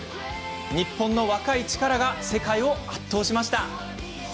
日本の若い力が世界を圧倒しました。